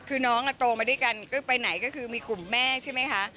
คือน้องโตมาด้วยกันก็ไปไหนก็คือมีกลุ่มแม่ใช่ไหมคะ